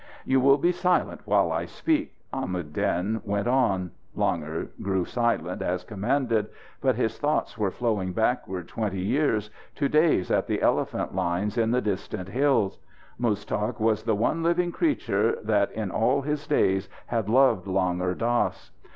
"You will be silent while I speak," Ahmad Din went on. Langur grew silent as commanded, but his thoughts were flowing backward twenty years, to days at the elephant lines in distant hills. Muztagh was the one living creature that in all his days had loved Langur Dass.